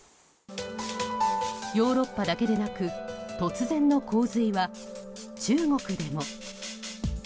ヨーロッパだけでなく突然の洪水は中国でも。